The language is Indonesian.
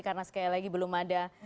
karena sekali lagi belum ada